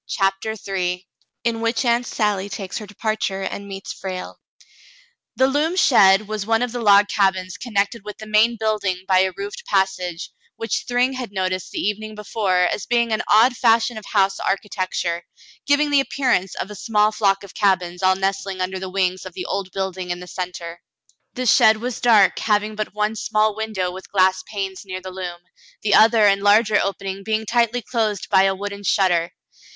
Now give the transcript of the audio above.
CHAPTER III IN WHICH AUNT SALLY TAKES HER DEPARTURE AND MEETS FRALE The loom shed was one of the log cabins connected with the main building by a roofed passage, which Thryng had noticed the evening before as being an odd fashion of house architecture, giving the appearance of a small flock of cabins all nestling under the wings of the old building in the centre. The shed was dark, having but one small window with glass panes near the loom, the other and larger opening being tightly closed by a wooden shutter.